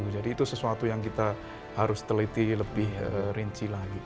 jadi itu sesuatu yang kita harus teliti lebih rinci lagi